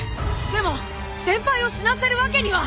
でも先輩を死なせるわけには。